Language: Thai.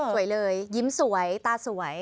สวยเลยยิ้มสวยตาสวย